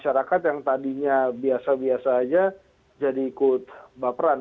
masyarakat yang tadinya biasa biasa aja jadi ikut baperan